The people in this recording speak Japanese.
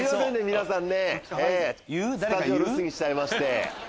皆さんねスタジオ留守にしちゃいまして。